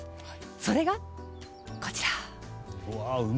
それが、こちら。